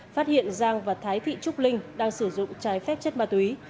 phát hiện giang và thái thị trúc linh đang sử dụng trái phép chất ma túy